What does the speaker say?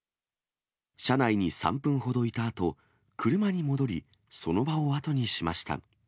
車内に３分ほどいたあと、車に戻り、その場を後にしました。